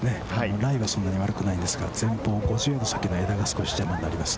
ライはそんなに悪くないんですけれど、前方５０の先の枝が邪魔になります。